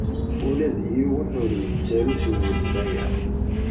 Ula d yiwen ur yettaru s ugemmay-a.